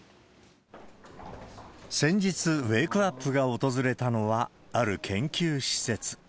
先日、ウェークアップが訪れたのは、ある研究施設。